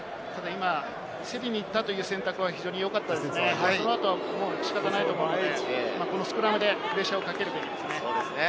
競りに行ったという選択は非常に良かったんですが、その後は仕方ないところでスクラムでプレッシャーをかけるといいですね。